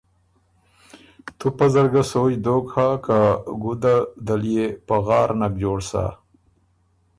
تُو پۀ زر ګه سوچ دوک هۀ که ګده دل يې پغار نک جوړ سۀ۔